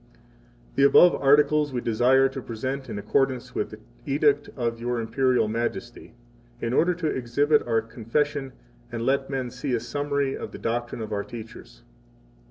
6 The above articles we desire to present in accordance with the edict of Your Imperial Majesty, in order to exhibit our Confession and let men see a summary of the doctrine of our teachers.